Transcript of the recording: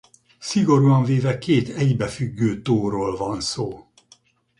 Szigorúan véve két egybefüggő tóról van szó.